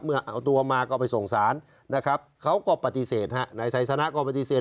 เมื่อเอาตัวมาก็ไปส่งสารนะครับเขาก็ปฏิเสธนายไซสนะก็ปฏิเสธ